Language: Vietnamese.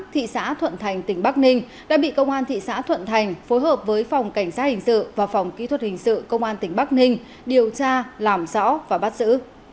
thị xã thuận thành tỉnh bắc ninh đã bị công an thị xã thuận thành phối hợp với phòng cảnh sát hình sự và phòng kỹ thuật hình sự công an tỉnh bắc ninh điều tra làm rõ và bắt giữ